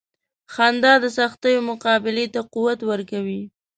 • خندا د سختیو مقابلې ته قوت ورکوي.